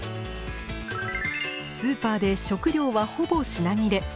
スーパーで食料はほぼ品切れ。